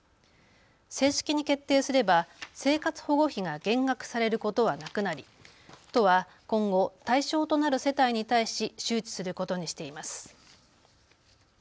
正式に決定すれば生活保護費が減額されることはなくなり都は今後、対象となる世帯に対し周知することにしています。